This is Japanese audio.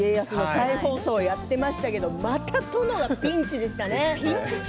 再放送やってましたけれどもまた殿がピンチでしたね。